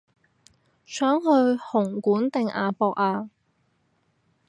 想去紅館定亞博啊